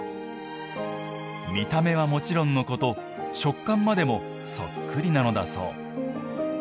見た目はもちろんのこと食感までも、そっくりなのだそう。